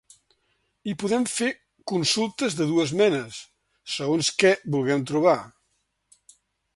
Hi podem fer consultes de dues menes, segons què vulguem trobar.